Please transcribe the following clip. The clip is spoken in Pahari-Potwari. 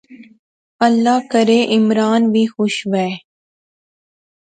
اللہ کرے عمران وی خوش وہے